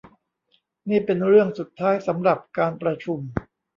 นี่เป็นเรื่องสุดท้ายสำหรับการประชุม